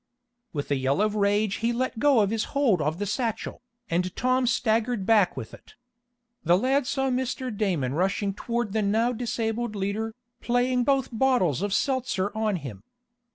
With a yell of rage he let go his hold of the satchel, and Tom staggered back with it. The lad saw Mr. Damon rushing toward the now disabled leader, playing both bottles of seltzer on him.